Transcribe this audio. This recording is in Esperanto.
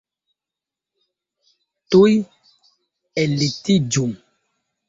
Tuj ellitiĝu!